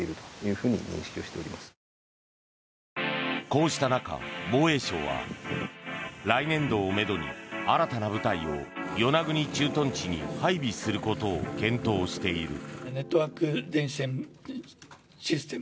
こうした中、防衛省は来年度をめどに新たな部隊を与那国駐屯地に配備することを検討している。